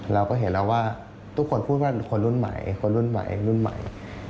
เราก็เห็นแล้วว่าทุกคนพูดว่าคนรุ่นใหม่คนรุ่นใหม่รุ่นใหม่